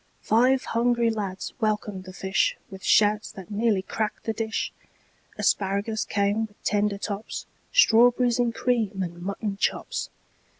Five hungry lads welcomed the fishWith shouts that nearly cracked the dish; Asparagus came with tender tops, Strawberries in cream, and mutton chops.